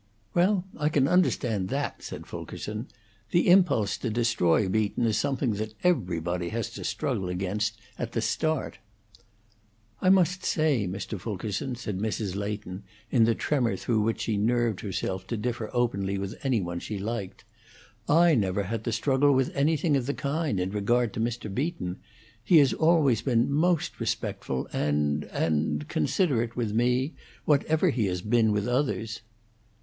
"Well, I can understand that," said Fulkerson. "The impulse to destroy Beaton is something that everybody has to struggle against at the start." "I must say, Mr. Fulkerson," said Mrs. Leighton, in the tremor through which she nerved herself to differ openly with any one she liked, "I never had to struggle with anything of the kind, in regard to Mr. Beaton. He has always been most respectful and and considerate, with me, whatever he has been with others."